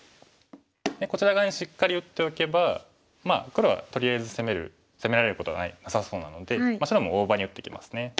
こちら側にしっかり打っておけば黒はとりあえず攻められることはなさそうなので白も大場に打ってきますね。